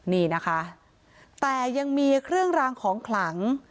นี่นะคะแต่ยังมีเครื่องรางของขลัง